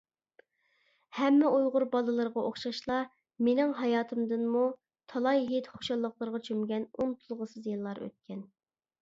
ھەممە ئۇيغۇر بالىلىرىغا ئوخشاشلا مېنىڭ ھاياتىمدىنمۇ تالاي ھېيت خۇشاللىقلىرىغا چۆمگەن ئۇنتۇلغۇسىز يىللار ئۆتكەن.